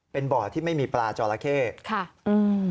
เป็นบ่อที่ไม่มีปลาจอละเข้ค่ะอืม